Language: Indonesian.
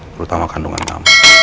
terutama kandungan kamu